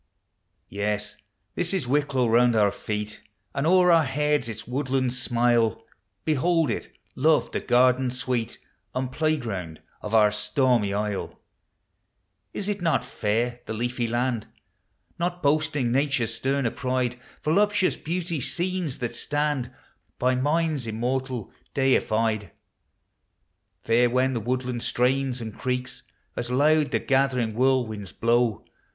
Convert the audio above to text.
Yes, this is Wicklow; round our feel And o'er our heads its woodlands smile; Behold it, love— the garden Bweel And playground of our stormy isle. Is i't not fair—the leafy land? Not boasting Nature's sterner pride, V0luptU0U.S beauty, scones that slaml By minds immortal deified. Fair when the woodland strains and creaks As loud the gathering whirlwinds bio*.